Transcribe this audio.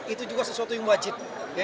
itu juga sesuatu yang wajib